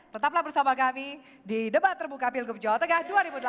tetaplah bersama kami di debat terbuka pilgub jawa tengah dua ribu delapan belas